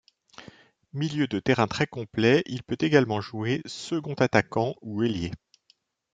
Milieu de terrain très complet, il peut également jouer second attaquant ou ailier.